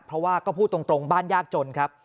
เพราะว่าก็พูดตรงบ้านยากจนครับ